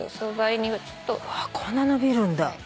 こんな伸びるんだ。